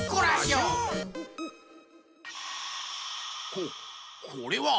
ここれは！